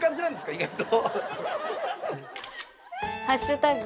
意外と。